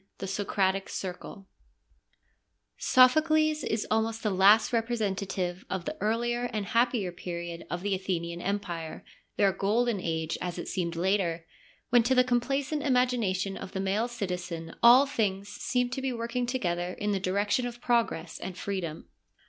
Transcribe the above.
— The Socratic Circle Sophocles is almost the last representative of the earlier and happier period of the Athenian Empire, their golden age as it seemed later, when to the complacent imagination of the male citizen all things seemed to be working together in the direction of progress and freedom.